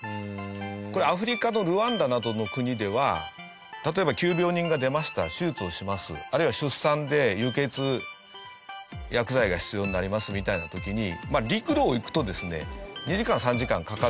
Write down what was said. これアフリカのルワンダなどの国では例えば急病人が出ました手術をしますあるいは出産で輸血薬剤が必要になりますみたいな時に。